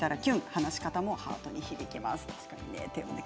話し方もハートに響きます。